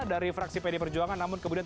dari fraksi pd perjuangan namun kemudian